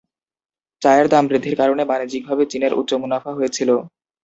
চায়ের দাম বৃদ্ধির কারণে বাণিজ্যিকভাবে চীনের উচ্চ মুনাফা হয়েছিল।